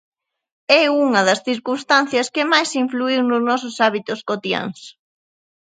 É unha das circunstancias que máis influíu nos nosos hábitos cotiáns.